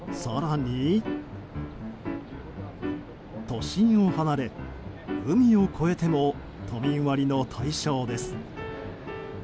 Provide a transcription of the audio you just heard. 都心を離れ、海を越えても都民割の対象です。